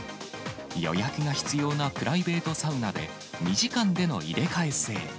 予約が必要なプライベートサウナで、２時間での入れ替え制。